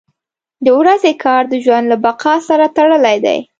• د ورځې کار د ژوند له بقا سره تړلی دی.